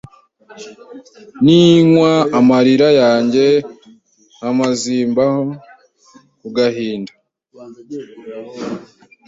Ninywa amarira yanjye nkamaziMbaho ku gahinda